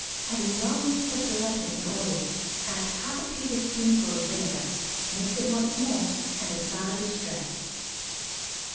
Having well mixed up the lettuce and oil, add half a tablespoonful of vinegar. Mix it once more, and the salad is dressed.